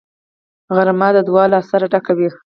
غرمه د دعا له اثره ډکه وي